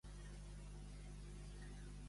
Llegir-li la lletania.